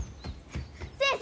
先生！